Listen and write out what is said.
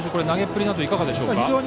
投げっぷりなどいかがでしょうか。